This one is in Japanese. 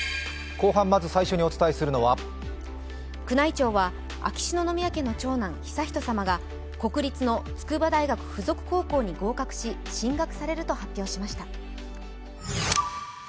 後半まず最初にお伝えするのは宮内庁は秋篠宮家の長男悠仁さまが国立の筑波大学附属高校に合格し、進学されると発表しました。